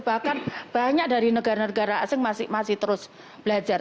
bahkan banyak dari negara negara asing masih terus belajar